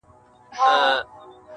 • په حرامو سړی کله نه مړېږي..